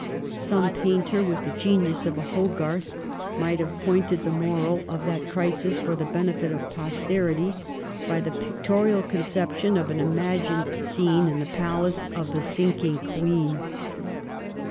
Some painter with the genius of a Hogarth might have pointed the moral of that crisis for the benefit of posterity by the 1713 14 'JACOBITES AT HEART.' 265 pictorial conception of an imagined scene in the palace of the sinking Queen.